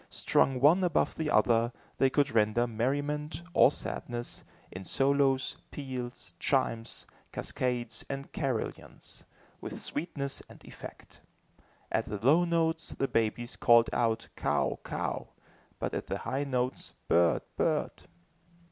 Strung one above the other, they could render merriment, or sadness, in solos, peals, chimes, cascades and carillons, with sweetness and effect. At the low notes the babies called out "cow, cow;" but at the high notes, "bird, bird."